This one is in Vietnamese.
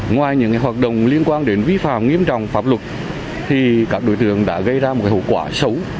ngoài những hoạt động liên quan đến vi phạm nghiêm trọng pháp luật thì các đối tượng đã gây ra một hậu quả xấu